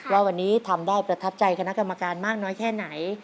ว่าวันนี้ทำได้ประทับใจคณะกรรมการมากน้อยแค่ไหน